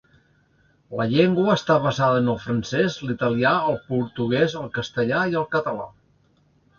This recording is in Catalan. La llengua està basada en el francès, l'italià, el portuguès, el castellà i el català.